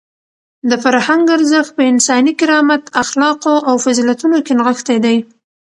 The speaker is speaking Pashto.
د فرهنګ ارزښت په انساني کرامت، اخلاقو او فضیلتونو کې نغښتی دی.